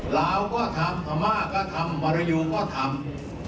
ลาวก็ทำธรรมาก็ทำมรยูก็ทำ